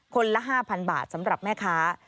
คนละ๕๐๐๐บาทสำหรับแม่ค้า